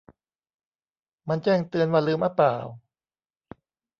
มันแจ้งเตือน ว่าลืมอ๊ะเปล่า